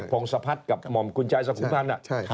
คนเว็บโพงสะพัดกับหม่อมคุณชายสภุพรรณ